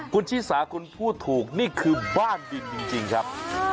คุณชิสาคุณพูดถูกนี่คือบ้านดินจริงครับ